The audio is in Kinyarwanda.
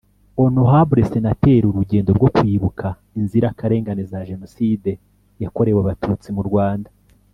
Honorable Senateri Urugendo rwo kwibuka inzira karengane za jonoside ya korewe abatutsi mu Rwanda